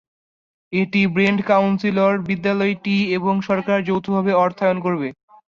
এটি Brent council, বিদ্যালয়টি এবং সরকার যৌথভাবে অর্থায়ন করবে।